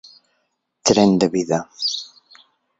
Tren de vida.